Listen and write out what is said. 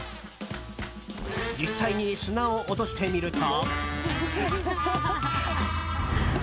実際に砂を落としてみると。